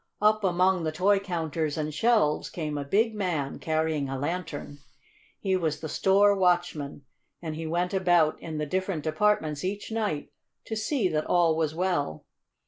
Up among the toy counters and shelves came a big man carrying a lantern. He was the store watchman, and he went about in the different departments each night to see that all was well.